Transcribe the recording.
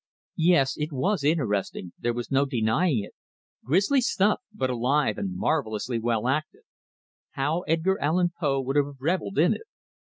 Yes, it was interesting, there was no denying it; grisly stuff, but alive, and marvelously well acted. How Edgar Allen Poe would have revelled in it!